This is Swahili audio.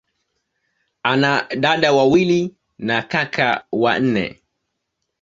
Ana dada wawili na kaka wanne.